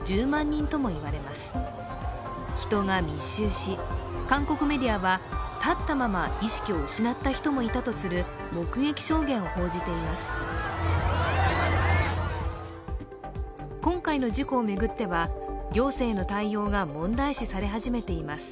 人が密集し、韓国メディアは立ったまま意識を失った人もいたとする目撃証言を報じています。